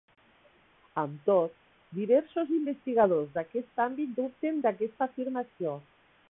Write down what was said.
Amb tot, diversos investigadors d'aquest àmbit dubten d'aquesta afirmació.